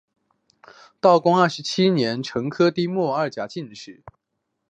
道光二十七年成丁未科二甲进士。